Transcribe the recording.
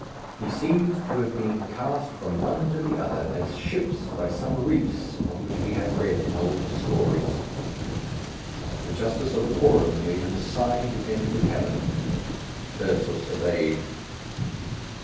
He seemed to have been cast from one to the other, as ships by some reefs of which we have read in old stories. The justice of the quorum made him a sign to enter the tavern. Ursus obeyed.